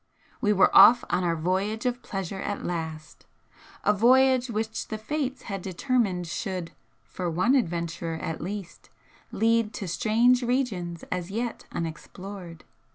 We were off on our voyage of pleasure at last, a voyage which the Fates had determined should, for one adventurer at least, lead to strange regions as yet unexplored.